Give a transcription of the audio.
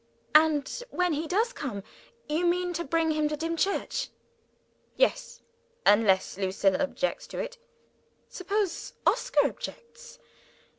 "And when he does come, you mean to bring him to Dimchurch?" "Yes unless Lucilla objects to it." "Suppose Oscar objects?